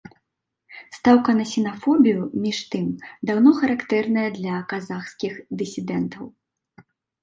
Стаўка на сінафобію, між тым, даўно характэрная для казахскіх дысідэнтаў.